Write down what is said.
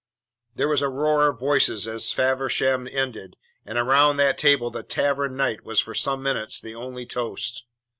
There was a roar of voices as Faversham ended, and around that table "The Tavern Knight" was for some minutes the only toast.